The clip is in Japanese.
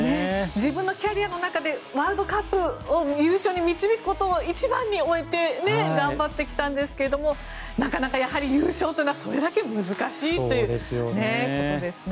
自分のキャリアの中でワールドカップを優勝に導くことを一番において頑張ってきたんですがなかなか優勝は、それだけ難しいということですね。